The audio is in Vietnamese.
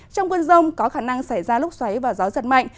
trong cơn rông có khả năng xảy ra lúc xoáy và gió giật mạnh